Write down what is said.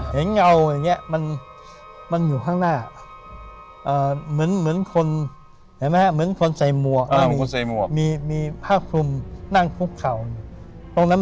เห็นเงาอย่างนี้มันอยู่ข้างหน้า